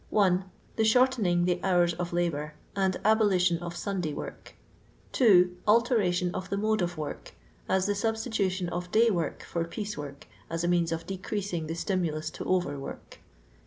1. The shortening the hours of labour, and abolition of Sunday work. 2. Alteration of the mode of work ; as the substitution of day work for piece work, aa a means of decreasing the stimuluf to over work.